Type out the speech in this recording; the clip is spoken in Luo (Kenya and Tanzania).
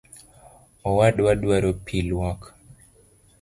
Owadwa dwaro pii luok